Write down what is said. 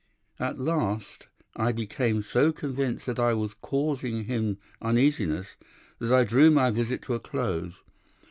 At last I became so convinced that I was causing him uneasiness that I drew my visit to a close.